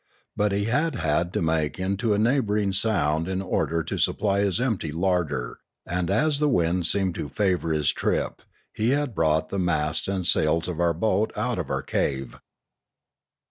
But he had had to make into a neighbouring sound in order to supply his empty larder, and as the wind seemed to favour his trip, he had brought the masts and sails of our boat out of our cave.